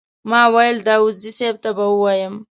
ما ویل داوودزي صیب ته به ووایم.